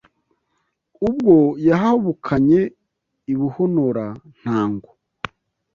Ubwo yahabukanye i Buhonora-ntango